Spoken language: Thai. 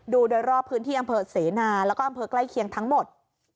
ดูโดยรอบพื้นที่อำเภอเสนาแล้วก็อำเภอใกล้เคียงทั้งหมด